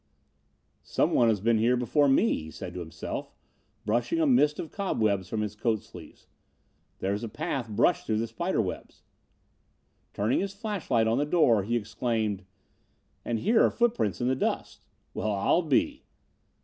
"Someone has been here before me," he said to himself, brushing a mist of cobwebs from his coat sleeves. "There is a path brushed through the spiderwebs." Turning his flashlight on the floor, he exclaimed: "And here are footprints in the dust. Well I'll be